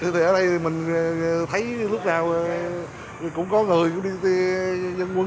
thì ở đây mình thấy lúc nào cũng có người cũng đi tới đi lui thôi